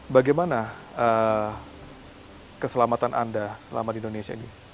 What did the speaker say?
bagaimana keselamatan anda selama di indonesia ini